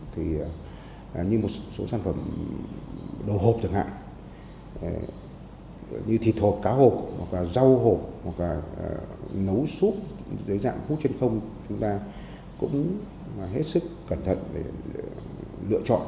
thì như một số sản phẩm đồ hộp thường hạn như thịt hộp cá hộp rau hộp nấu súp dưới dạng hút trên không chúng ta cũng hết sức cẩn thận để lựa chọn